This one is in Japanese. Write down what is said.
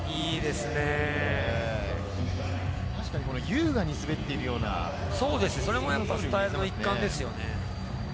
確かに優雅に滑っているようそれもスタイルの一環ですよね。